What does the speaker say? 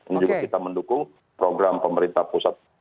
ini juga kita mendukung program pemerintah pusat